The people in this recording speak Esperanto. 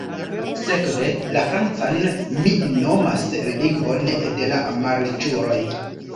Sekve, la francan mi nomas “lingvon de la malriĉuloj“.